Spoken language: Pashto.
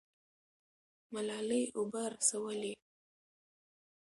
ملالۍ اوبه رسولې.